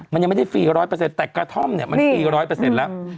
มันยังไม่ได้ฟรี๑๐๐แต่กระท่อมเนี่ยมันฟรี๑๐๐แล้ว